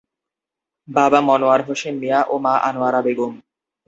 বাবা মনোয়ার হোসেন মিয়া ও মা আনোয়ারা বেগম।